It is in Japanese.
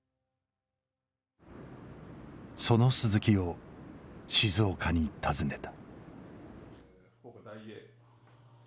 その鈴木を静岡に訪ねた。